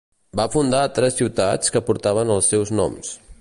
Van fundar tres ciutats que portaven els seus noms.